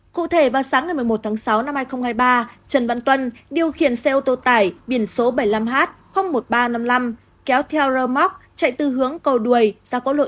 cụ thể vào sáng một mươi một sáu hai nghìn hai mươi ba trần văn tuân điều khiển xe ô tô tải biển số bảy mươi năm h một nghìn ba trăm năm mươi năm kéo theo rơ móc chạy từ hướng cầu đuổi ra quốc lộ chín